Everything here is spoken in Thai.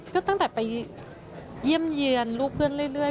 ก็ตั้งแต่ไปเยี่ยมเยือนลูกเพื่อนเรื่อย